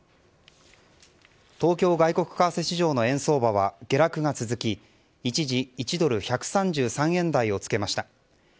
東京外国為替市場の円相場は下落が続き一時１ドル＝１３３円台をつけました。